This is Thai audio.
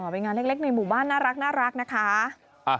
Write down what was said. เป็นงานเล็กในหมู่บ้านน่ารักนะคะ